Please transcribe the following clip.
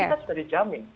kita sudah dijamin